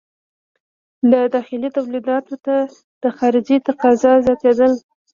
له داخلي تولیداتو ته د خارجې تقاضا زیاتېدل.